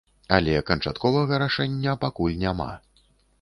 Але канчатковага рашэння пакуль няма.